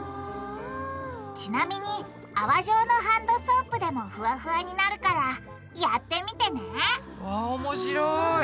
ちなみに泡状のハンドソープでもフワフワになるからやってみてねわおもしろい！